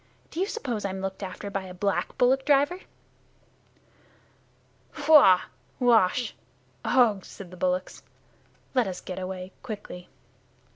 "Do you suppose I'm looked after by a black bullock driver?" "Huah! Ouach! Ugh!" said the bullocks. "Let us get away quickly."